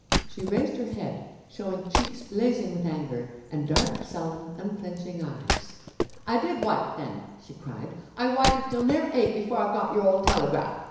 She raised her head, showing cheeks blazing with anger, and dark, sullen, unflinching eyes. 'I did wyte then!' she cried 'I wyted till near eight before I got your old telegraph!